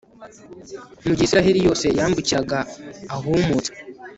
mu gihe israheli yose yambukiraga ahumutse